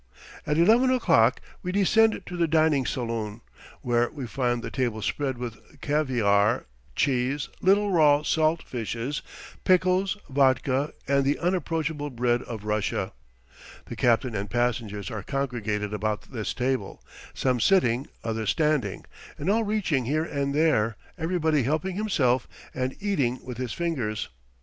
At eleven o'clock we descend to the dining saloon, where we find the table spread with caviare, cheese, little raw salt fishes, pickles, vodka, and the unapproachable bread of Russia. The captain and passengers are congregated about this table, some sitting, others standing, and all reaching here and there, everybody helping himself and eating with his fingers.